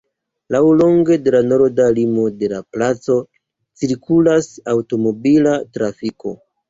Laŭlonge de la norda limo de la placo cirkulas aŭtomobila trafiko.